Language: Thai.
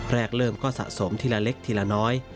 แรกเริ่มก็สะสมทีละเล็กทีละน้อย